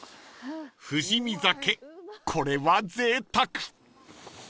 ［富士見酒これはぜいたく！］